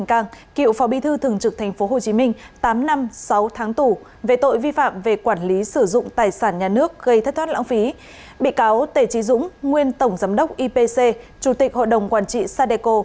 các bị cáo tể trí dũng nguyên tổng giám đốc ipc chủ tịch hội đồng quản trị sadeco